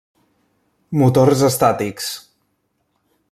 Motors estàtics.